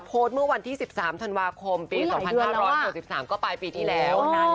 เมื่อวันที่๑๓ธันวาคมปี๒๕๖๓ก็ปลายปีที่แล้ว